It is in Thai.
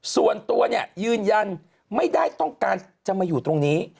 ส่วนตัวเนี่ยยืนยันไม่ได้ต้องการจะมาอยู่ตรงนี้